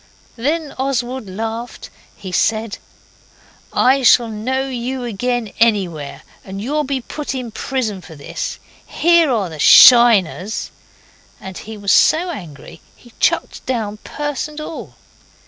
Then Oswald laughed. He said 'I shall know you again anywhere, and you'll be put in prison for this. Here are the SHINERS.' And he was so angry he chucked down purse and all.